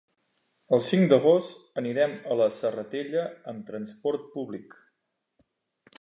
El cinc d'agost anirem a la Serratella amb transport públic.